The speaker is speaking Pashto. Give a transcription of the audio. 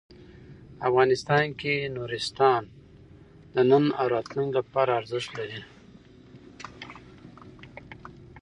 افغانستان کې نورستان د نن او راتلونکي لپاره ارزښت لري.